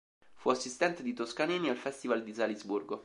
Fu assistente di Toscanini al Festival di Salisburgo.